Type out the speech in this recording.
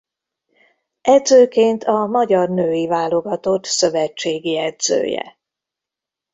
Edzőként a magyar női válogatott szövetségi edzője.